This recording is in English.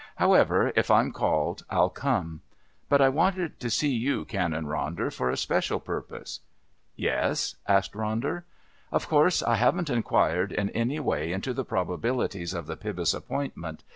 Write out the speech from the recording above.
However, if I'm called I'll come. But I wanted to see you, Canon Ronder, for a special purpose." "Yes?" asked Ronder. "Of course I haven't enquired in any way into the probabilities of the Pybus appointment.